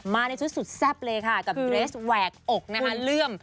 ในชุดสุดแซ่บเลยค่ะกับเดรสแหวกอกนะคะเลื่อม